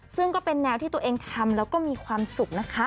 ซึ่งก็เป็นแนวที่ตัวเองทำแล้วก็มีความสุขนะคะ